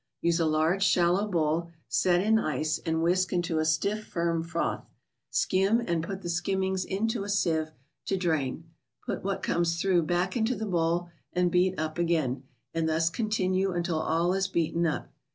Use a large, shallow bowl, set in ice, and whisk into a stiff, firm froth. Skim, and put the skimmings into a sieve to drain. Put what comes through back into the bowl, and beat up again, and thus continue, until all is beaten up.